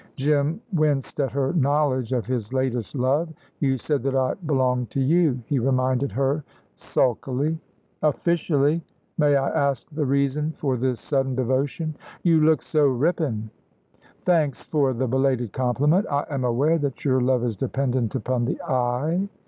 Jim winced at her knowledge of his latest love. "You said that I belonged to you," he reminded her sulkily. "Officially. May I ask the reason for this sudden devotion?" "You look so rippin'." "Thanks for the belated compliment. I am aware that your love is dependent upon the eye."